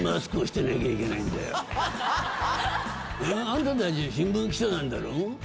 あんたたち新聞記者なんだろ？